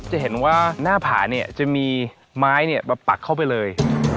จะเห็นว่าหน้าผาเนี่ยจะมีไม้มาปักเข้าไปเลย